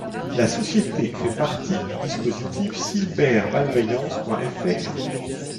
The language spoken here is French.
La société fait partie du dispositif Cybermalveillance.fr.